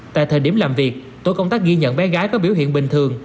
tại thời điểm làm việc tổ công tác ghi nhận bé gái có biểu hiện bình thường